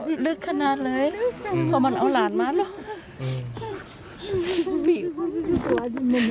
แล้วลึกขนาดเลยเพราะมันเอาร้านมาล่ะ